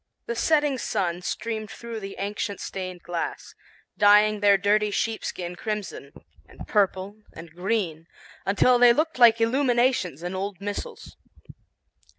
The setting sun streamed through the ancient stained glass, dyeing their dirty sheepskin crimson, and purple, and green, until they looked like illuminations in old missals.